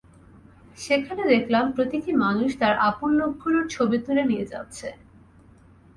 সেখানে দেখলাম, প্রতিটি মানুষ তার আপন লোকগুলোর ছবি তুলে নিয়ে যাচ্ছে।